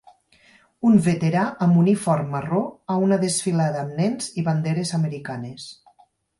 un veterà amb uniform marró a una desfilada amb nens i banderes americanes